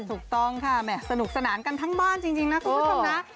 ถูกต้องค่ะแหม่สนุกสนานกันทั้งบ้านจริงนะคุณผู้ชมนะ